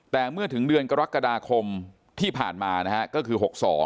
แต่เมื่อถึงเดือนกรกฎาคมที่ผ่านมานะฮะก็คือ๖๒